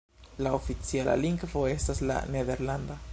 La oficiala lingvo estas la nederlanda.